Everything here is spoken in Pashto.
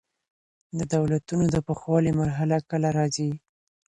د دولتونو د پوخوالي مرحله کله راځي؟